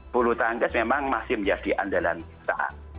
bulu tangkis memang masih menjadi andalan kita